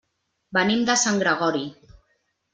Venim de Sant Gregori.